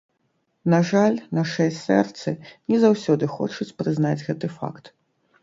На жаль, нашыя сэрцы не заўсёды хочуць прызнаць гэты факт.